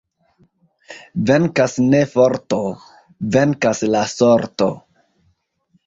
Venkas ne forto, venkas la sorto.